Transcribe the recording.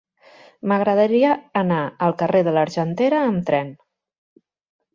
M'agradaria anar al carrer de l'Argentera amb tren.